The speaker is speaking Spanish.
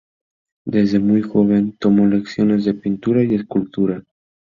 Desde muy joven tomó lecciones de pintura y escultura.